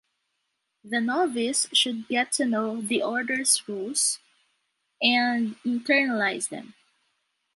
The novice should get to know the order’s rules and internalize them.